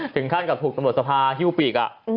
ถึงขั้นกับถูกตำรวจสภาฮิ้วปีก